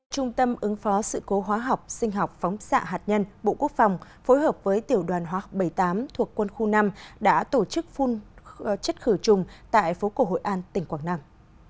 trung tâm ứng phó sự cố hóa học sinh học phóng xạ hạt nhân bộ quốc phòng phối hợp với tiểu đoàn hoác bảy mươi tám thuộc quân khu năm đã tổ chức phun chất khử trùng tại phố cổ hội an tỉnh quảng nam